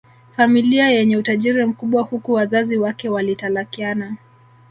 familia yenye utajiri mkubwa Huku wazazi wake walitalakiana